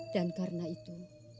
dan karena itu